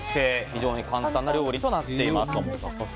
非常に簡単な料理となっています。